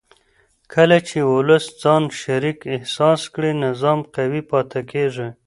کله چې ولس ځان شریک احساس کړي نظام قوي پاتې کېږي